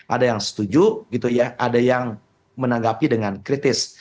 ada yang setuju ada yang menanggapi dengan kritis